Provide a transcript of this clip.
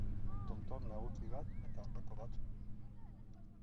Tontor nagusi bat eta ondoko batzuk ditu.